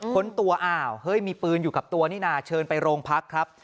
้นตัวอ้าวเฮ้ยมีปืนอยู่กับตัวนี่นะเชิญไปโรงพักครับ